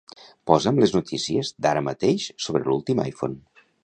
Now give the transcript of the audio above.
Posa'm les notícies d'ara mateix sobre l'últim iPhone.